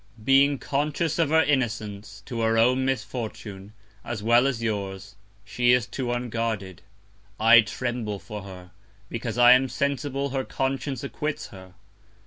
Being conscious of her Innocence, to her own Misfortune, as well as yours, she is too unguarded. I tremble for her; because I am sensible her Conscience acquits her.